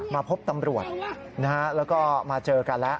มาพบตำรวจแล้วก็มาเจอกันแล้ว